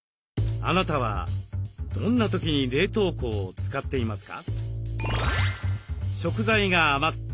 あなたはどんな時に冷凍庫を使っていますか？